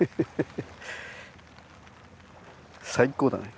最高だね。